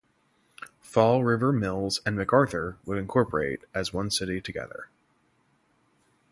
Fall River Mills and McArthur would incorporate as one city together.